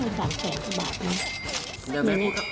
เน้งแม่พูดว่าสามแสนแม่ชิลโม่ง